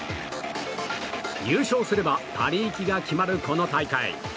優勝すればパリ行きが決まるこの大会。